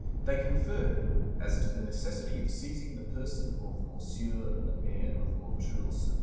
They conferred "as to the necessity of seizing the person of M. le Maire of M. sur M."